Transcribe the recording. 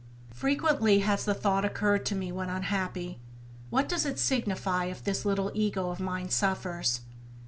Frequently has the thought occurred to me when unhappy: What does it signify if this little ego of mine suffers